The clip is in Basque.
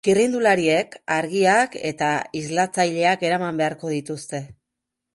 Txirrindulariek argiak eta islatzaileak eraman beharko dituzte.